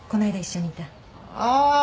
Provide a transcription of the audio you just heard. ああ。